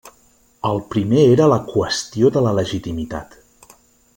El primer era la qüestió de la legitimitat.